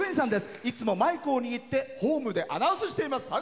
いつもマイクを握ってホームでアナウンスしています。